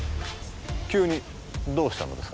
急にどうしたのですか？